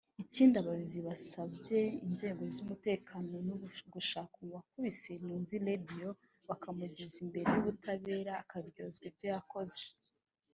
Ikindi abayobozi basabye inzego z’umutekano ni ugushaka uwakubise Mowzey Radio bakamugeza imbere y’ubutabera akaryozwa ibyo yakoze